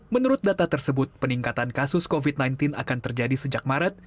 menurut data tersebut peningkatan kasus covid sembilan belas akan terjadi sejak maret